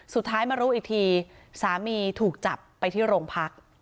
สุดท้ายมารู้อีกทีสามีถูกจับไปที่โรงพัก